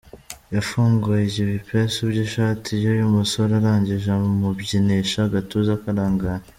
Yafunguye ibipesu by'ishati y'uyu musore arangije amubyinisha agatuza karangaye.